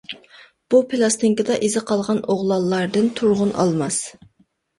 بۇ پىلاستىنكىدا ئىزى قالغان ئوغلانلاردىن تۇرغۇن ئالماس.